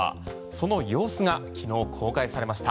その様子が昨日公開されました。